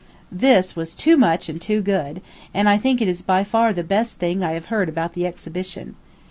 "_ This, was too much and too good; and I think it is by far the best thing I have heard about the exhibition.